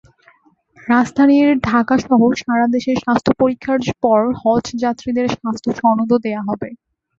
রাজধানী ঢাকাসহ সারা দেশে স্বাস্থ্য পরীক্ষার পর হজযাত্রীদের স্বাস্থ্যসনদও দেওয়া হবে।